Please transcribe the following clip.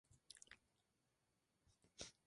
Viaja al Paraguay en dos ocasiones.